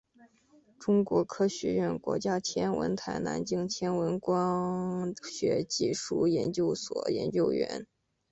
中国科学院国家天文台南京天文光学技术研究所研究员。